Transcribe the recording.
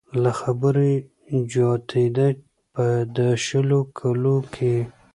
له خبرو يې جوتېده په د شلو کلو کې